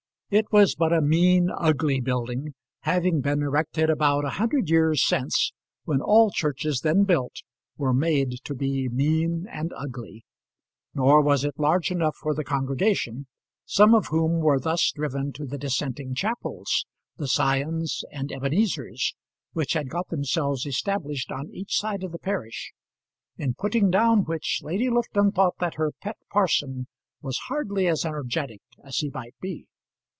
It was but a mean, ugly building, having been erected about a hundred years since, when all churches then built were made to be mean and ugly; nor was it large enough for the congregation, some of whom were thus driven to the dissenting chapels, the Sions and Ebenezers, which had got themselves established on each side of the parish, in putting down which Lady Lufton thought that her pet parson was hardly as energetic as he might be.